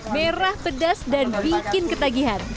merah pedas dan bikin ketagihan